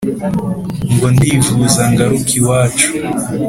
ngo ndivuza ngaruke iwacu